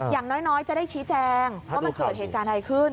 อย่างน้อยจะได้ชี้แจงว่ามันเกิดเหตุการณ์อะไรขึ้น